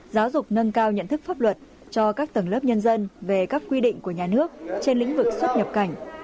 giáo dục nâng cao nhận thức pháp luật cho các tầng lớp nhân dân về các quy định của nhà nước trên lĩnh vực xuất nhập cảnh